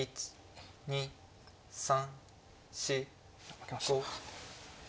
負けました。